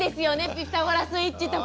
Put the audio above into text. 「ピタゴラスイッチ」とか。